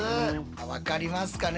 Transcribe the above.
分かりますかね？